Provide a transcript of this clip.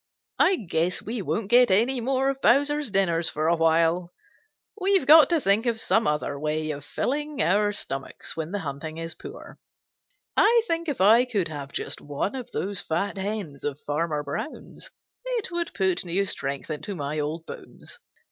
I guess we won't get any more of Bowser's dinners for a while. We've got to think of some other way of filling our stomachs when the hunting is poor. I think if I could have just one of those fat hens of Farmer Brown's, it would put new strength into my old bones.